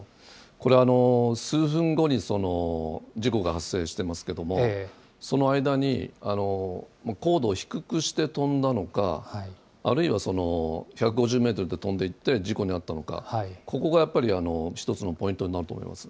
これ、数分後に事故が発生してますけれども、その間に高度を低くして飛んだのか、あるいは１５０メートルで飛んでいて事故に遭ったのか、ここがやっぱり一つのポイントになると思います。